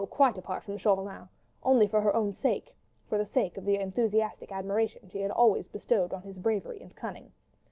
quite apart from Chauvelin—only for her own sake, for the sake of the enthusiastic admiration she had always bestowed on his bravery and cunning.